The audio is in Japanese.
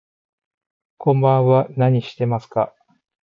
こんばんは、今何してますか。